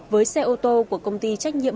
với xe ô tô của công ty trách nhiệm